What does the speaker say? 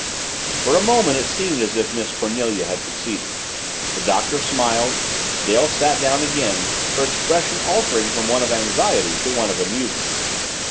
For a moment it seemed as if Miss Cornelia had succeeded. The Doctor smiled; Dale sat down again, her expression altering from one of anxiety to one of amusement.